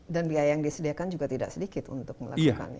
dan biaya yang disediakan juga tidak sedikit untuk melakukannya ya